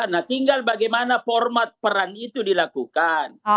nah tinggal bagaimana format peran itu dilakukan